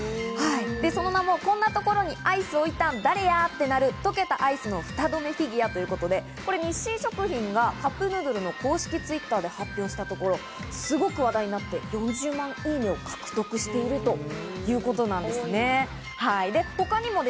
その名も、こんなところにアイス置いたん誰や！？ってなる溶けたアイスのフタ止めフィギュアということで、日清食品がカップヌードルの公式Ｔｗｉｔｔｅｒで発表したところ、すごく話題になって、４０万いいねを獲得しているということなんですね。